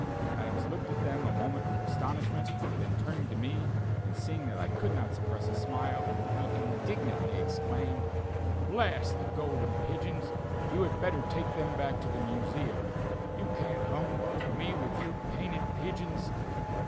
Adams looked at them a moment with astonishment, then turning to me, and seeing that I could not suppress a smile, he indignantly exclaimed: "Blast the Golden Pigeons! You had better take them back to the Museum. You can't humbug me with your painted pigeons!"